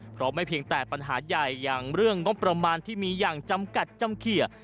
เพราะไม่เพียงแต่ปัญหาใหญ่อย่างเรื่องงบประมาณที่มีอย่างจำกัดจำเขีย